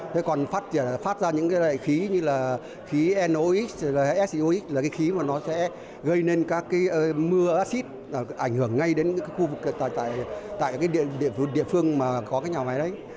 thế còn phát ra những cái khí như là khí nox siox là cái khí mà nó sẽ gây nên các cái mưa acid ảnh hưởng ngay đến khu vực tại địa phương mà có cái nhà máy đấy